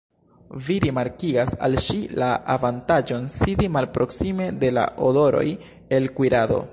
Vi rimarkigas al ŝi la avantaĝon sidi malproksime de la odoroj el kuirado.